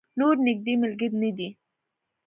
نور نږدې ملګری نه دی.